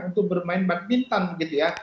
untuk bermain badminton gitu ya